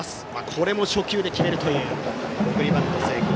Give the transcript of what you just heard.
これも初球で決めるという送りバント成功。